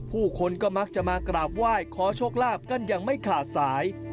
ผู้คนก็มักจะมากราบไหว้ขอโชคลาภกันอย่างไม่ขาดสาย